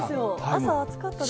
朝、暑かったです。